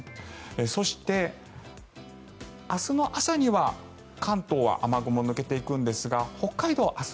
そして、明日の朝には関東は雨雲、抜けていくんですが北海道、明日